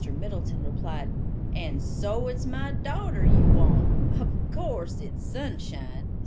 Middleton replied, "And so it's my darter you want. Of course it's Sunshine?"